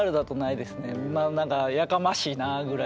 まあなんかやかましいなぁぐらい。